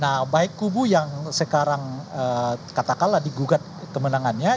nah baik kubu yang sekarang katakanlah digugat kemenangannya